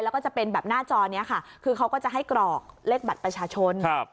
แล้วก็จะเป็นแบบหน้าจอนี้ค่ะคือเขาก็จะให้กรอกเลขบัตรประชาชนครับ